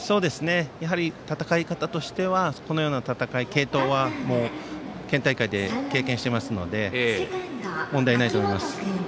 やはり戦い方としてはこのような戦い、継投は県大会で経験していますので問題ないと思います。